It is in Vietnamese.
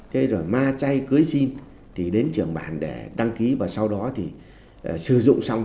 thế rồi ma chay cưới xin thì đến trường bản để đăng ký và sau đó thì sử dụng xong